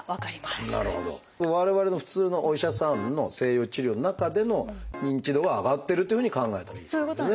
我々の普通のお医者さんの西洋治療の中での認知度は上がってるというふうに考えたらいいということですね。